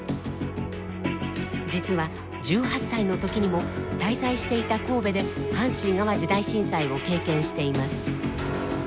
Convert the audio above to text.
実は１８歳の時にも滞在していた神戸で阪神・淡路大震災を経験しています。